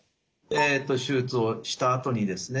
えっと手術をしたあとにですね